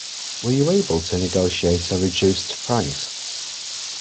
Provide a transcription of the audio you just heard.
Were you able to negotiate a reduced price?